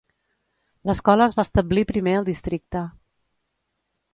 L'escola es va establir primer al districte.